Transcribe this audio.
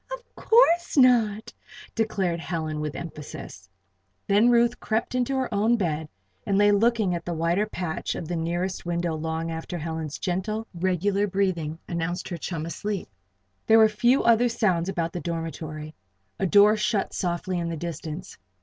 "Of course not!" declared Helen, with added emphasis. Then Ruth crept into her own bed and lay looking at the whiter patch of the nearest window long after Helen's gentle, regular breathing announced her chum asleep. There were few other sounds about the dormitory. A door shut softly in the distance.